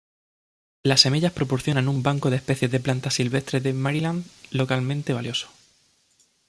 Las semillas proporcionan un "banco" de especies de plantas silvestres de Maryland localmente valioso.